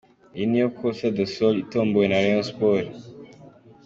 Iyi niyo Costa do Sol itombowe na Rayon Sports.